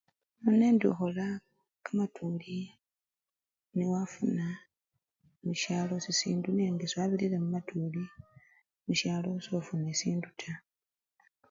Nono indi ukhola kamatuli newafuna mushalo sisindu nenga sewabirire mwituli mushalo, sofuna sindu taa.